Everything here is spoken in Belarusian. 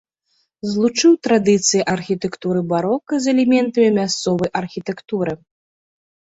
Злучыў традыцыі архітэктуры барока з элементамі мясцовай архітэктуры.